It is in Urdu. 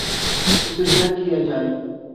اسے چیک کیا جائے